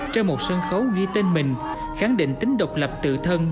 trên một sân khấu ghi tên mình khẳng định tính độc lập tự thân